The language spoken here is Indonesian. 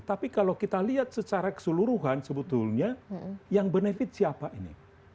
tapi kalau kita lihat secara keseluruhan sebetulnya yang benefit siapa ini